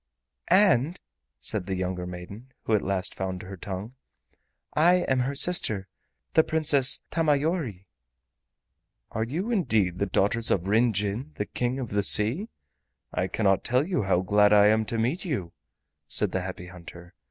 "And," said the younger maiden, who at last found her tongue, "I am her sister, the Princess Tamayori." "Are you indeed the daughters of Ryn Jin, the King of the Sea? I cannot tell you how glad I am to meet you," said the Happy Hunter.